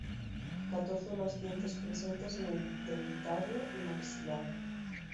Catorce o más dientes presentes en el dentario y maxilar.